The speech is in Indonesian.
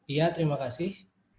iya terima kasih